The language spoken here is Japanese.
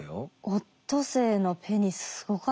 オットセイのペニスすごかった。